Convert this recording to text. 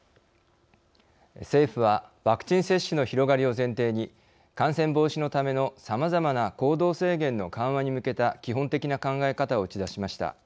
政府はワクチン接種の広がりを前提に感染防止のためのさまざまな行動制限の緩和に向けた基本的な考え方を打ち出しました。